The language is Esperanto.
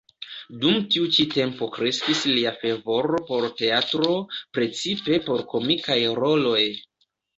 Dum tiu ĉi tempo kreskis lia fervoro por teatro, precipe por komikaj roloj.